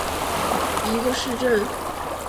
菲尔斯是奥地利蒂罗尔州罗伊特县的一个市镇。